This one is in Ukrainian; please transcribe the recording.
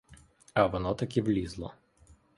А воно таки влізло.